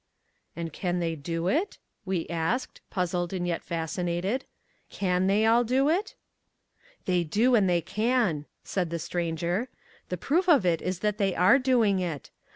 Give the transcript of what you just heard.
"And can they do it?" we asked, puzzled and yet fascinated. "Can they all do it?" "They do, and they can," said the Stranger. "The proof of it is that they are doing it.